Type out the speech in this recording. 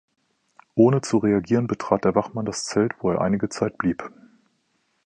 Ohne zu reagieren, betrat der Wachmann das Zelt, wo er einige Zeit blieb.